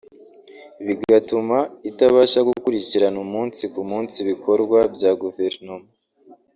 bigatuma itabasha gukurikirana umunsi ku munsi ibikorwa bya guverinoma